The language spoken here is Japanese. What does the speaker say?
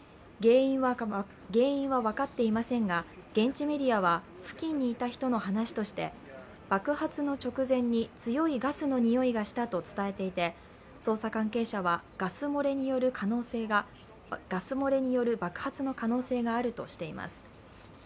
原因は分かっていませんが現地メディアは付近にいた人の話として爆発の直前に強いガスの臭いがしたと伝えていて捜査関係者はガス漏れによる爆発の可能性があるとしています。